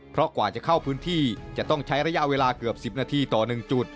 เพราะกว่าจะเข้าพื้นที่จะต้องใช้ระยะเวลาเกือบ๑๐นาทีต่อ๑จุด